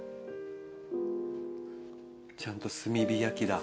ちゃんと炭火焼きだ。